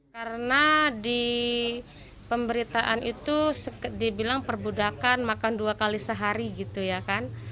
karena di pemberitaan itu dibilang perbudakan makan dua kali sehari gitu ya kan